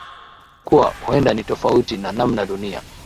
kuwa huenda ni tofauti na namna dunia